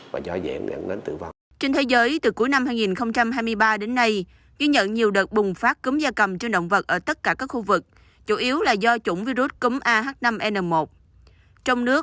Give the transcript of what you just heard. trong nước theo y tế các bệnh không xảy ra thường xuyên ở các khu vực chủ yếu là do chủng virus cúng ah năm n một